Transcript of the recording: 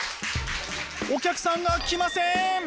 お客さんが来ません！